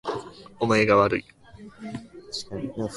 お前がわるい